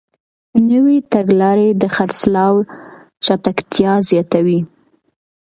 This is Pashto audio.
نوې تګلارې د خرڅلاو چټکتیا زیاتوي.